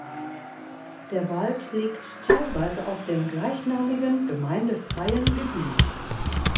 Der Wald liegt teilweise auf dem gleichnamigen gemeindefreien Gebiet.